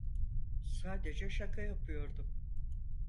Sadece şaka yapıyordum.